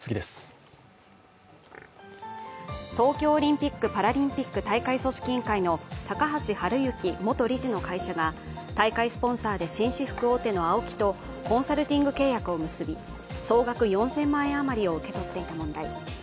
東京オリンピック・パラリンピック大会組織委員会の高橋治之元理事の会社が大会スポンサーで紳士服大手のＡＯＫＩとコンサルティング契約を結び総額４０００万円余りを受け取っていた問題。